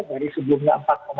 dari sebelumnya empat tujuh